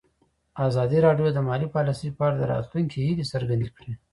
ازادي راډیو د مالي پالیسي په اړه د راتلونکي هیلې څرګندې کړې.